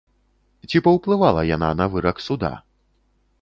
Ці паўплывала яна на вырак суда?